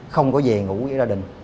không có về ngủ với gia đình